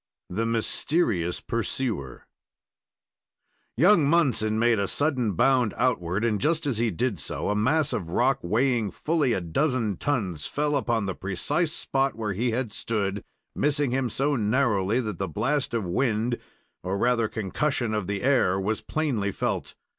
THE MYSTERIOUS PURSUER Young Munson made a sudden bound outward, and, just as he did so, a mass of rock weighing fully a dozen tons, fell upon the precise spot where he had stood, missing him so narrowly that the blast of wind, or rather concussion of the air, was plainly felt.